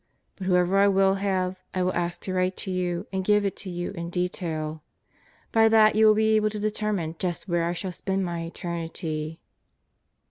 But whoever I will have, I will ask to write to you and give it to you in detail. By that you will be able to determine just where I shall spend my eternity.